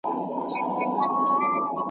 پرون یې کلی، نن محراب سبا چنار سوځوي ,